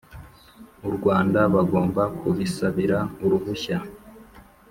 u rwanda bagomba kubisabira uruhushya